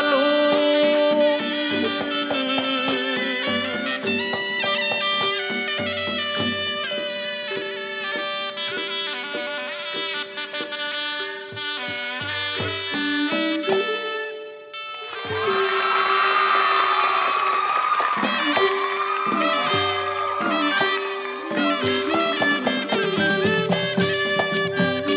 แล้วว่าโอ้โอ้โอ้โอ้โอ้โอ้โอ้โอ้โอ้โอ้